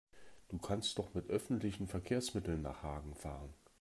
Du kannst doch mit öffentlichen Verkehrsmitteln nach Hagen fahren